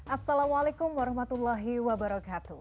assalamualaikum warahmatullahi wabarakatuh